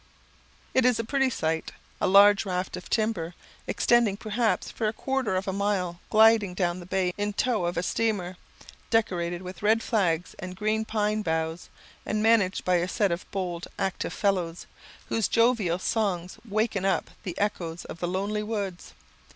It is a pretty sight. A large raft of timber, extending perhaps for a quarter of a mile, gliding down the bay in tow of a steamer, decorated with red flags and green pine boughs, and managed by a set of bold active fellows, whose jovial songs waken up the echoes of the lonely woods.